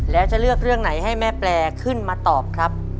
แล้วจะเลือกเรื่องไหนให้แม่แปลขึ้นมาตอบครับ